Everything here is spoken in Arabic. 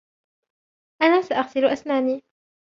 أنا سأغسل أسناني.